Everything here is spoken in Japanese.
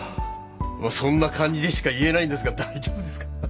そんな感じでしか言えないんですが大丈夫ですか？